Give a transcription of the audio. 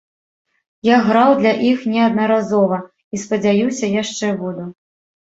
Я граў для іх неаднаразова, і, спадзяюся, яшчэ буду.